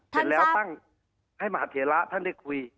เสร็จแล้วตั้งให้มหาเทระท่านได้คุย